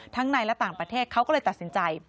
ในและต่างประเทศเขาก็เลยตัดสินใจ